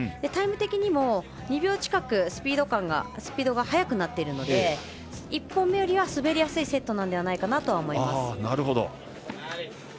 タイム的にも２秒近くスピードが速くなっているので１本目よりは滑りやすいセットなのではと思います。